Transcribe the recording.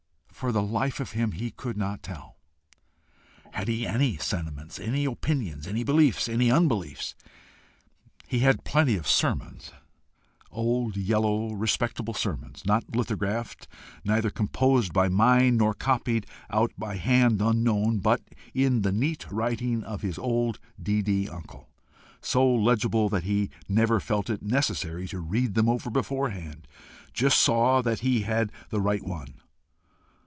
For the life of him he could not tell. Had he ANY sentiments, any opinions, any beliefs, any unbeliefs? He had plenty of sermons old, yellow, respectable sermons, not lithographed, neither composed by mind nor copied out by hand unknown, but in the neat writing of his old D.D. uncle, so legible that he never felt it necessary to read them over beforehand just saw that he had the right one.